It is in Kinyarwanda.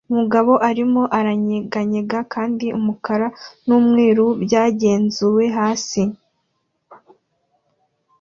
Umugabo arimo aranyeganyega kandi umukara n'umweru byagenzuwe hasi